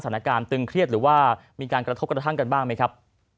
สถานการณ์ตึงเคล็ดหรือว่ามีการกระทบกระทั่งกันบ้างไหมครับ